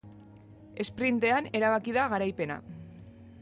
Esprintean erabaki da garaipena.